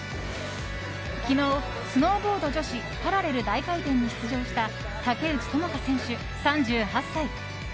昨日、スノーボード女子パラレル大回転に出場した竹内智香選手、３８歳。